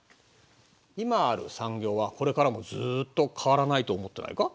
今ある産業はこれからもずっと変わらないと思ってないか？